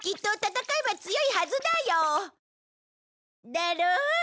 だろ？